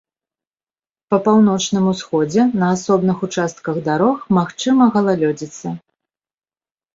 Па паўночным усходзе на асобных участках дарог магчыма галалёдзіца.